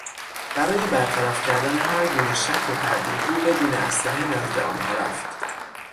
برای برطرف کردن هر گونه شک و تردید، او بدون اسلحه نزد آنها رفت.